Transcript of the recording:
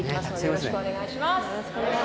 よろしくお願いします！